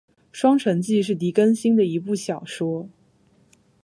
《双城记》是狄更斯的一部小说。